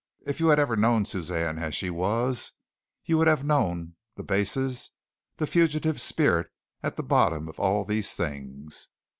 If you had ever known Suzanne as she was you would have known the basis the fugitive spirit at the bottom of all these things.